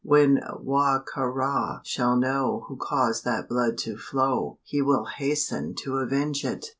When Wa ka ra shall know who caused that blood to flow, he will hasten to avenge it."